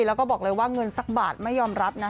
แล้วก็บอกเลยว่าเงินสักบาทไม่ยอมรับนะ